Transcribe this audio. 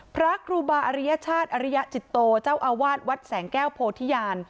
พระครูบาอริยชาติอริยจิตโตเจ้าอาวาสวัดแสงแก้วโพธิญาณ